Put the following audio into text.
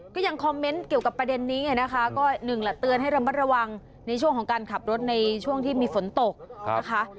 ก็ยังคอมเมนต์เกี่ยวกับประเด็นนี้ไงนะคะก็หนึ่งแหละเตือนให้ระมัดระวังในช่วงของการขับรถในช่วงที่มีฝนตกนะคะ